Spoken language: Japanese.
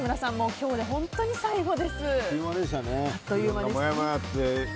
今日で本当に最後です。